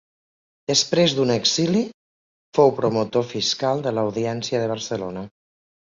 Després d'un exili, fou promotor fiscal de l'audiència de Barcelona.